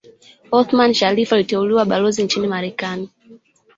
Othman Sharrif aliteuliwa Balozi nchini Marekani